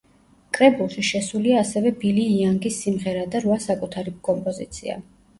კრებულში შესულია ასევე ბილი იანგის სიმღერა და რვა საკუთარი კომპოზიცია.